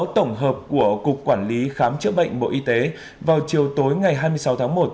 tổng hợp của cục quản lý khám chữa bệnh bộ y tế vào chiều tối ngày hai mươi sáu tháng một